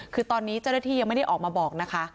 คือตอนนี้เจ้าหน้าที่ยังไม่ได้ออกมาบอกนะคะ